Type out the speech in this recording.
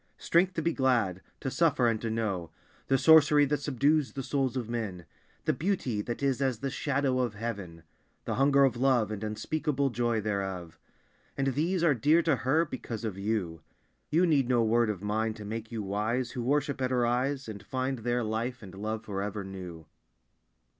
Strength to be glad, to suffer, and to know; The sorcery that subdues the souls of men; The beauty that is as the shadow of heaven; The hunger of love And unspeakable joy thereof. And these are dear to Her because of you. You need no word of mine to make you wise Who worship at her eyes And find there life and love forever new!"